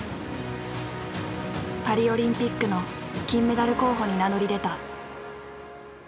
パリオリンピックの金メダル候補に名乗り出た。